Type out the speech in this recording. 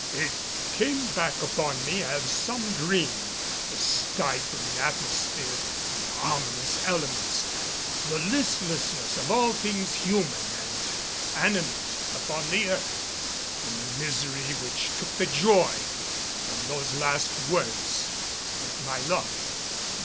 It all came back upon me as some dream, the stifling atmosphere, the ominous elements, the listlessness of all things human and animate upon the earth, and the misery which took the joy from those last words with my love.